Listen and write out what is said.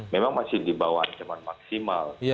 memang masih di bawah ancaman maksimal